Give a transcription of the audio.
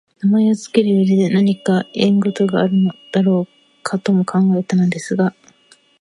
名前をつける上でなにか縁故があるのだろうかとも考えたのですが、